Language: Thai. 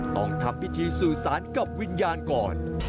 ต้องทำพิธีสู่สารกับวิญญาณก่อน